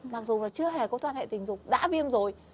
mặc dù là chưa hề có quan hệ tình dục đã viêm rồi